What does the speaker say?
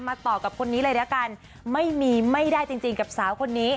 ต่อกับคนนี้เลยละกันไม่มีไม่ได้จริงกับสาวคนนี้